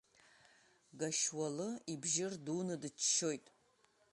Гашьуалы ибжьы рдуны дыччоит.